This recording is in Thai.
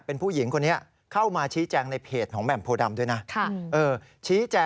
เป็นผู้หญิงคนนี้